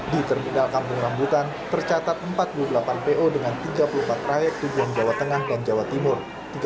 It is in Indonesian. di terminal kampung rambutan tercatat empat puluh delapan po dengan tiga puluh empat trayek tujuan jawa tengah dan jawa timur